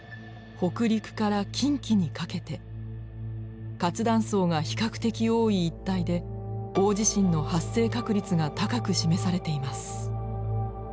北陸から近畿にかけて活断層が比較的多い一帯で大地震の発生確率が高く示されています。